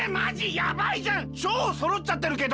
やばいじゃん！ちょうそろっちゃってるけど！